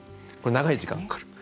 長い時間がかかる。